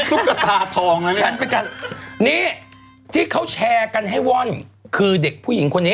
ไวนี่ที่เขาแชร์กันให้ว่านคือเด็กผู้หญิงคนนี้